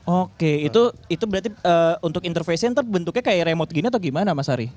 oke itu berarti untuk intervation tuh bentuknya kayak remote gini atau gimana mas ari